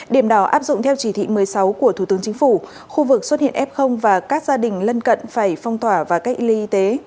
điểm đó áp dụng theo chỉ thị một mươi sáu của thủ tướng chính phủ khu vực xuất hiện f và các gia đình lân cận phải phong tỏa và cách ly y tế